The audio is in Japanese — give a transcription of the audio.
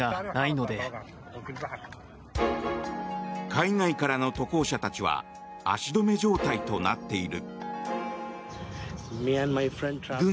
海外からの渡航者たちは足止め状態となっている。